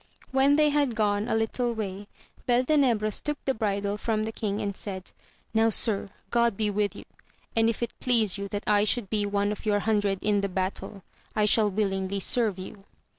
When they had gone a little way Beltenebros took the bridle from the king, and said, Now, sir, (rod be with you, and if it please you that I should be one of your hundred in the battle, I shall willingly serve you.